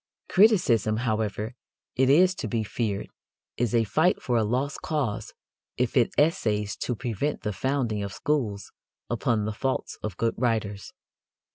Criticism, however, it is to be feared, is a fight for a lost cause if it essays to prevent the founding of schools upon the faults of good writers.